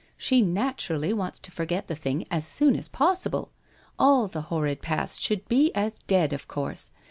She naturally wants to forget the thing as soon as possible. All the horrid past should be as dead, of course.